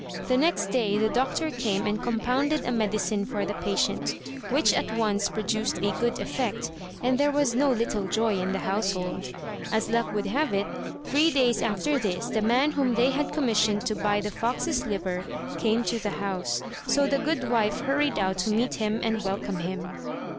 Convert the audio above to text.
The next day the doctor came and compounded a medicine for the patient, which at once produced a good effect, and there was no little joy in the household. As luck would have it, three days after this the man whom they had commissioned to buy the fox's liver came to the house: so the goodwife hurried out to meet him and welcome him.